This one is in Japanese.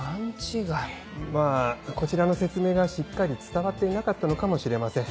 まぁこちらの説明がしっかり伝わっていなかったのかもしれません。